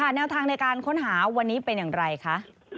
แนวทางในการค้นหาวันนี้เป็นอย่างไรคะ